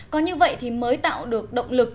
có như vậy thì mới tạo được động lực